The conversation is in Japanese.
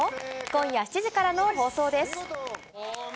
今夜７時からの放送です。